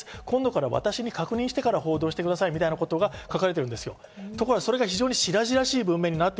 今度から私に確認してから行動してくださいみたいなことが書かれています。